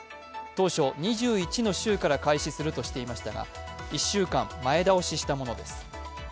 当初、２１の週から開始するとしていましたが１週間前倒ししたものです。